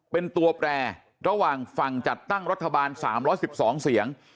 เป็นตัวแปรระหว่างฝั่งจัดตั้งรัฐบาล๓๑๒เสียง